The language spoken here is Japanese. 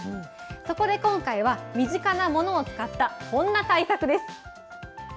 そこで今回は、身近なものを使ったこんな対策です。